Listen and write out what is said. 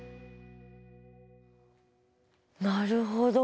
なるほど。